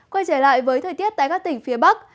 quay trở lại với thời tiết tại các tỉnh phía bắc